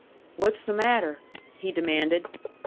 "What's the matter?" he demanded.